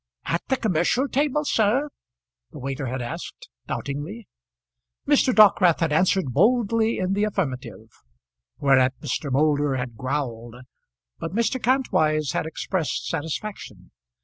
"At the commercial table sir?" the waiter had asked, doubtingly. Mr. Dockwrath had answered boldly in the affirmative, whereat Mr. Moulder had growled; but Mr. Kantwise had expressed satisfaction.